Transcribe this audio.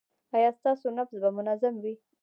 ایا ستاسو نبض به منظم وي؟